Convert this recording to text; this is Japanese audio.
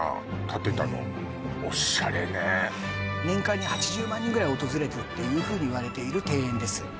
建てたのオシャレね年間に８０万人ぐらい訪れてるっていうふうにいわれている庭園です